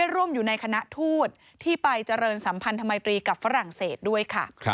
ร่วมอยู่ในคณะทูตที่ไปเจริญสัมพันธมัยตรีกับฝรั่งเศสด้วยค่ะ